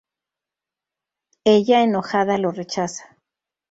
Ella enojada lo rechaza.